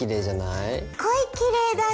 すっごいきれいだね。